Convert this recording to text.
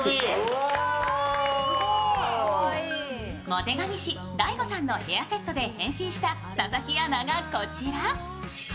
モテ髪師・大悟さんのヘアセットで変身した佐々木アナがこちら。